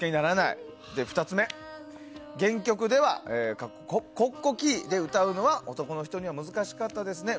２つ目、原曲で歌うのはＣｏｃｃｏさんキーで歌うのは男の人には難しかったですね。